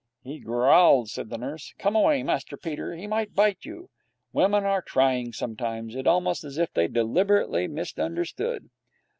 'He growled,' said the nurse. 'Come away, Master Peter. He might bite you.' Women are trying sometimes. It is almost as if they deliberately misunderstood.